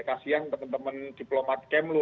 kasian teman teman diplomat kemlu